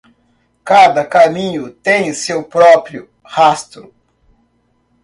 Cada caminho tem seu próprio rastro.